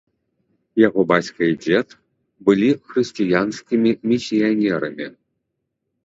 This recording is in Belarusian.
Яго бацька і дзед былі хрысціянскімі місіянерамі.